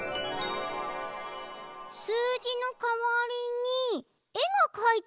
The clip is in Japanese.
すうじのかわりにえがかいてある。